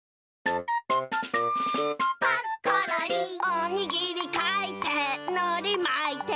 「おにぎりかいてのりまいて」